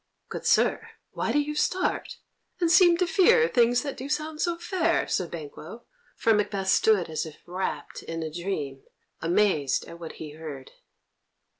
"Good sir, why do you start, and seem to fear things that do sound so fair?" said Banquo, for Macbeth stood as if rapt in a dream, amazed at what he heard.